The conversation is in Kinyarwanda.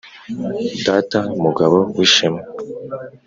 data mugabo w’ishema